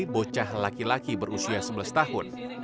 bocah laki laki berusia sebelas tahun